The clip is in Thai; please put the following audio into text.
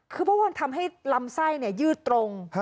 คือเพราะมันทำให้ลำไส้ยืดตรง